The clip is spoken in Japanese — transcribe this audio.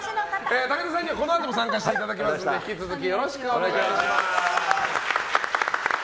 武田さんにはこのあとも参加していただきますので引き続き、よろしくお願いします。